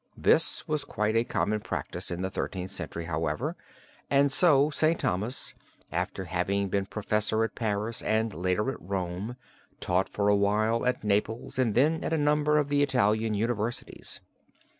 This was quite a common practise in the Thirteenth Century, however, and so St. Thomas, after having been professor at Paris and later at Rome, taught for a while at Naples and then at a number of the Italian universities.